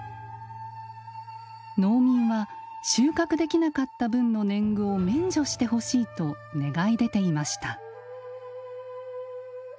農民は収穫できなかった分の年貢を免除してほしいと願い出ていました。